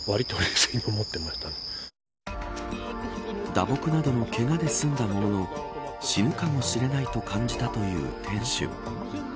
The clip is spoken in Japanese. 打撲などのけがで済んだものの死ぬかもしれないと感じたという店主。